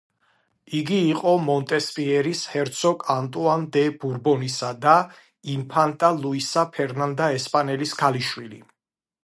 იგი იყო მონტესპიერის ჰერცოგ ანტუან დე ბურბონისა და ინფანტა ლუისა ფერნანდა ესპანელის ქალიშვილი.